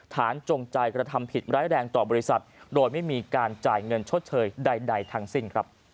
จงใจกระทำผิดร้ายแรงต่อบริษัทโดยไม่มีการจ่ายเงินชดเชยใดทั้งสิ้น